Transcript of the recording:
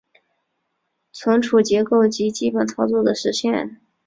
存储结构及基本操作的实现